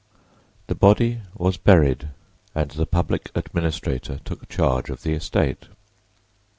The body was buried and the public administrator took charge of the estate.